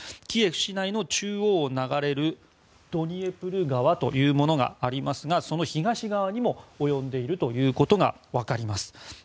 キエフ市内の中央を流れるドニエプル川というのがありますがその東側にも及んでいるということが分かります。